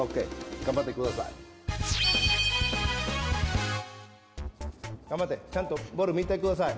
がんばってちゃんとボールみてください。